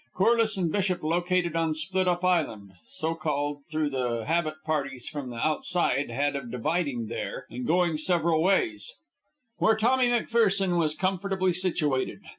Corliss and Bishop located on Split up Island (so called through the habit parties from the Outside had of dividing there and going several ways), where Tommy McPherson was comfortably situated.